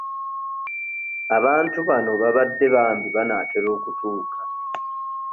Abantu bano babadde bambi banaatera okutuuka.